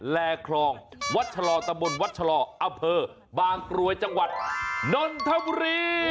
แลคลองวัดชะลอตะบนวัดชะลออำเภอบางกรวยจังหวัดนนทบุรี